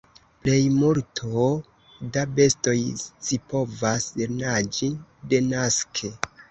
Plejmulto da bestoj scipovas naĝi denaske.